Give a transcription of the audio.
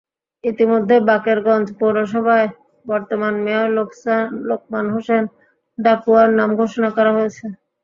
ইতিমধ্যে বাকেরগঞ্জ পৌরসভায় বর্তমান মেয়র লোকমান হোসেন ডাকুয়ার নাম ঘোষণা করা হয়েছে।